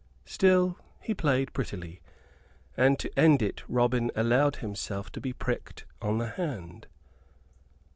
Still, he played prettily, and to end it Robin allowed himself to be pricked on the hand.